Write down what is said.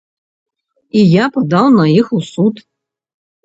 І я падаў на іх у суд.